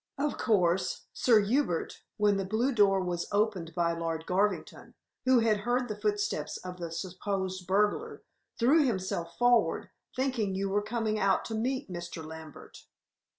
Of course, Sir Hubert, when the blue door was opened by Lord Garvington, who had heard the footsteps of the supposed burglar, threw himself forward, thinking you were coming out to meet Mr. Lambert.